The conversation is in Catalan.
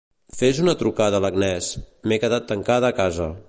Fes una trucada a l'Agnès; m'he quedat tancada a casa.